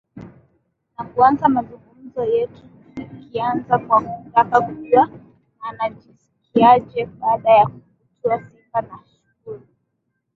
na kuanza mazungumzo yetu nikianza kwa kutaka kujua anajisikiaje baada ya kutua SimbaNashukuru